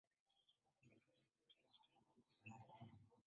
Ni Hifadhi pekee ya kitaifa huko Zanzibar.